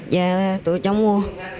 dạ tôi chẳng mua